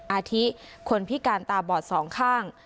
อาทิคนพิการตาบอดสองข้าง